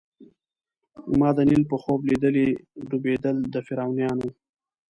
ما د نیل په خوب لیدلي ډوبېدل د فرعونانو